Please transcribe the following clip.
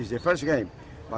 ini adalah pertandingan pertama